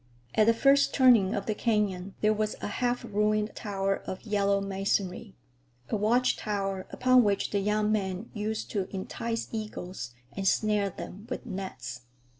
At the first turning of the canyon there was a half ruined tower of yellow masonry, a watch tower upon which the young men used to entice eagles and snare them with nets.